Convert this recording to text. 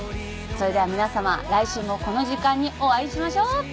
それでは皆さま来週もこの時間にお会いしましょう。